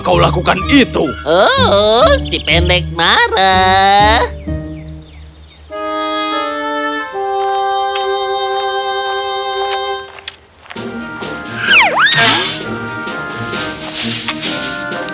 kau sangat menggecewakan